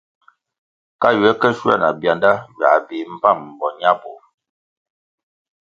Ka ywe ke shuoē na byanda, ywā bih mbpám bo ñabur.